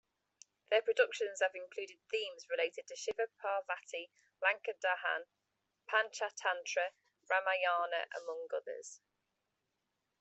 Their productions have included themes related to Shiva-Parvati, Lanka Dahan, Panchatantra, Ramayana among others.